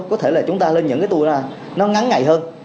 có thể là chúng ta lên những cái tour ra nó ngắn ngày hơn